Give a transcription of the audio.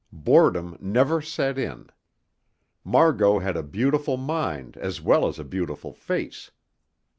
Boredom never set in. Margot had a beautiful mind as well as a beautiful face.